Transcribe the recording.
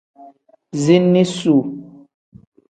Ziini suu.